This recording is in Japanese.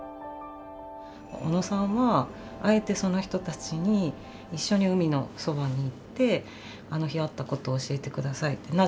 小野さんはあえてその人たちに一緒に海のそばに行ってあの日あったことを教えて下さいって。